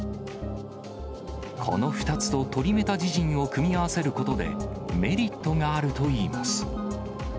この２つとトリメタジジンを組み合わせることで、メリットがあるといいます。